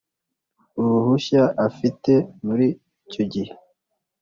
uruhushya afite muri icyo gihe